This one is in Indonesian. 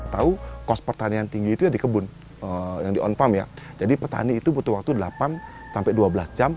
tahu kos pertanian tinggi itu di kebun yang di on farm ya jadi petani itu butuh waktu delapan dua belas jam